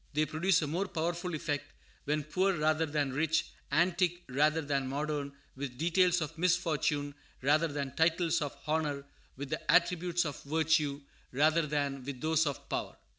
They produce a more powerful effect when poor rather than rich, antique rather than modern, with details of misfortune rather than titles of honor, with the attributes of virtue rather than with those of power.